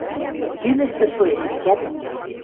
Йӱмӹштӹ шоэш, векӓт...